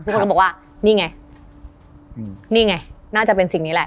คนก็บอกว่านี่ไงนี่ไงน่าจะเป็นสิ่งนี้แหละ